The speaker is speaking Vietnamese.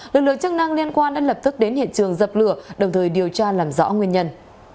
lực lượng chức năng liên quan đã lập tức đến hiện trường dập lửa đồng thời điều tra làm rõ nguyên nhân